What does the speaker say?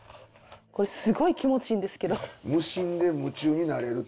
これスゴイ気持ちいいんですけど。